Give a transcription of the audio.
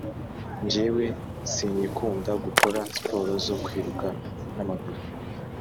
Njyewe sinyikunda gukora siporo zo kwiruka n’amaguru